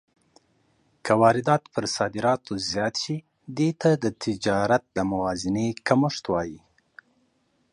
که واردات پر صادراتو زیات شي، دې ته د تجارت د موازنې کمښت وايي.